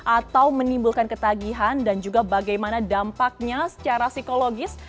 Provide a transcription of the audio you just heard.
atau menimbulkan ketagihan dan juga bagaimana dampaknya secara psikologis